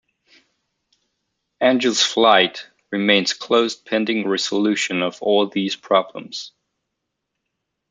Angels Flight remains closed pending resolution of all these problems.